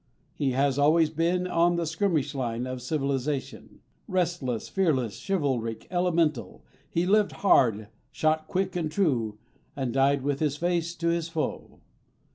He has always been on the skirmish line of civilization. Restless, fearless, chivalric, elemental, he lived hard, shot quick and true, and died with his face to his foe.